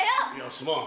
すまん。